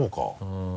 うん。